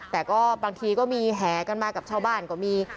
แต่ก็บางทีก็มีแหกันมากับชาวบ้านก็มี